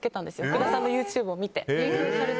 福田さんのＹｏｕＴｕｂｅを見て。